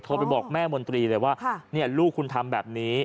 ไปบอกแม่มนตรีเลยว่าลูกคุณทำแบบนี้